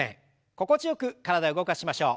心地よく体を動かしましょう。